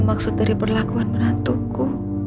aku seperti itu kepada aku